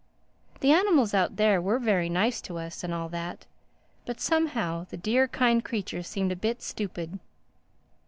The animals out there were very nice to us and all that. But somehow the dear kind creatures seemed a bit stupid.